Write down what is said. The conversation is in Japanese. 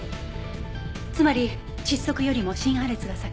つまり窒息よりも心破裂が先。